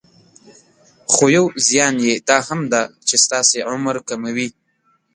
خو يو زيان يي دا هم ده چې ستاسې عمر کموي.